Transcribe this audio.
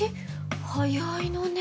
早いのね。